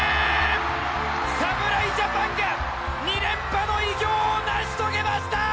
侍ジャパンが２連覇の偉業を成し遂げました！